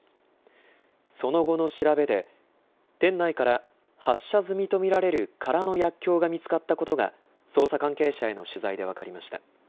その後の調べで店内から発射済みと見られる空の薬きょうが見つかったことが捜査関係者への取材で分かりました。